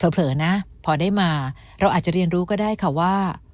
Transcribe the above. เผลอนะพอได้มาเราอาจจะเรียนรู้ก็ได้ค่ะว่า